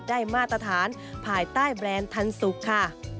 มาตรฐานภายใต้แบรนด์ทันสุกค่ะ